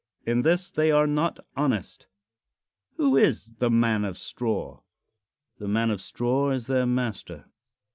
In this they are not honest. Who is the "man of straw"? The man of straw is their master.